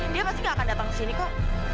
dia pasti gak akan datang ke sini kok